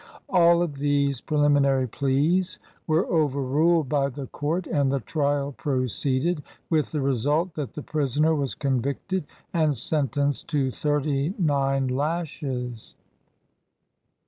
All of these preliminary pleas were overruled by the court, and the trial proceeded, with the result that the prisoner was convicted and sentenced to thirty nine lashes.